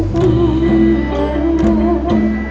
สวัสดีครับ